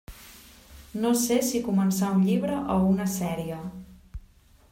No sé si començar un llibre o una sèrie.